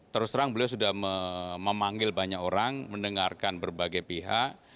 terus terang beliau sudah memanggil banyak orang mendengarkan berbagai pihak